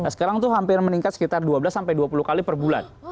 sekarang itu hampir meningkat sekitar dua belas sampai dua puluh kali per bulan